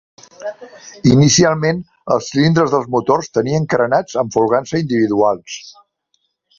Inicialment, els cilindres dels motors tenien carenats amb folgança individuals.